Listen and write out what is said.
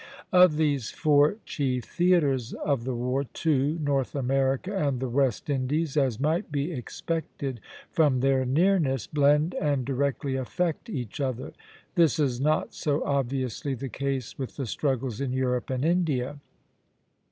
Of these four chief theatres of the war, two, North America and the West Indies, as might be expected from their nearness, blend and directly affect each other. This is not so obviously the case with the struggles in Europe and India.